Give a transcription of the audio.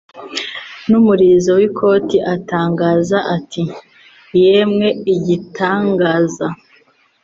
n'umurizo w'ikoti atangaza ati Yemwe igitangaza